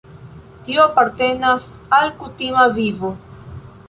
Tio apartenas al kutima vivo.